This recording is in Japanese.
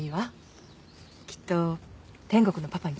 きっと天国のパパに届くわよ。